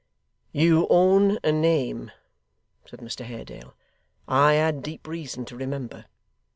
'You own a name,' said Mr Haredale, 'I had deep reason to remember.